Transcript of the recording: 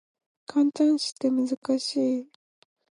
感嘆詞って難しい